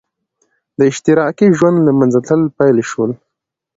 د اشتراکي ژوند له منځه تلل پیل شول.